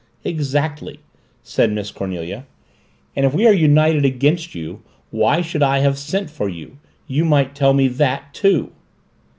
"Exactly," said Miss Cornelia. "And if we are united against you, why should I have sent for you? You might tell me that, too."